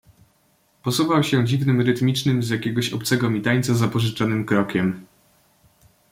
"Posuwał się dziwnym, rytmicznym, z jakiegoś obcego mi tańca, zapożyczonym krokiem."